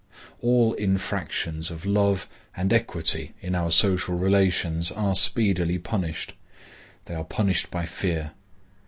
All infractions of love and equity in our social relations are speedily punished. They are punished by fear.